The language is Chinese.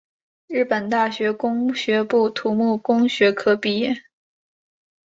日本大学工学部土木工学科毕业。